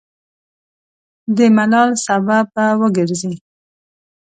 د ملال سبب به وګرځي.